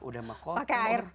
udah mah kotor